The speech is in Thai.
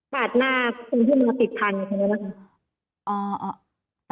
ปาดหน้าคนที่มาติดพันธุ์นี้นะคะ